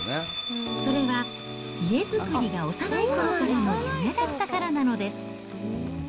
それは家作りが幼いころからの夢だったからなのです。